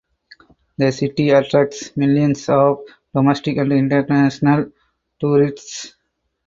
The city attracts millions of domestic and international tourists.